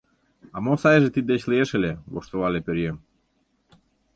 — А мо сайже тиддеч лиеш ыле? — воштылале пӧръеҥ.